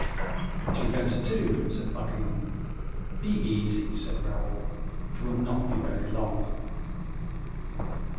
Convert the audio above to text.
"What are you going to do?" said Buckingham. "Be easy," said Raoul, "it will not be very long."